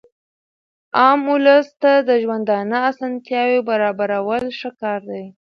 عام اولس ته د ژوندانه اسانتیاوي برابرول ښه کار دئ.